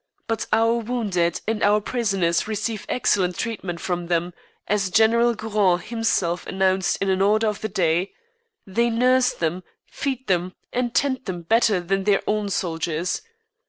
But our wounded and our prisoners receive excellent treatment from them, as General Gouraud himself announced in an Order of the Day; they nurse them, feed them, and tend them better than their own soldiers."